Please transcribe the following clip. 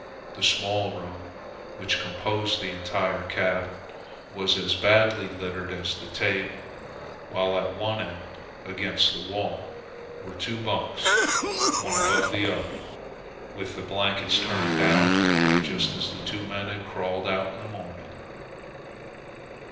The small room, which composed the entire cabin, was as badly littered as the table; while at one end, against the wall, were two bunks, one above the other, with the blankets turned down just as the two men had crawled out in the morning.